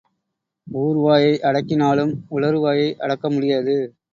ஊர் வாயை அடக்கினாலும் உளறு வாயை அடக்க முடியாது.